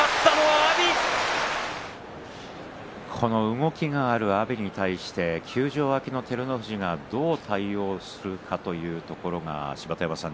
動きがある阿炎に対して休場明けの照ノ富士がどう対応するかというところが芝田山さん